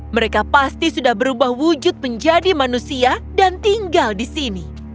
mereka pasti sudah berubah wujud menjadi manusia dan tinggal di sini